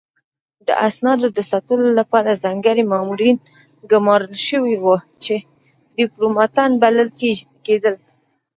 د اسنادو د ساتلو لپاره ځانګړي مامورین ګمارل شوي وو چې ډیپلوماتان بلل کېدل